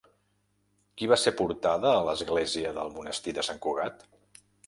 Qui va ser portada a l'església del monestir de Sant Cugat?